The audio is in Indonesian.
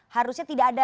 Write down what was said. harusnya tidak diutamakan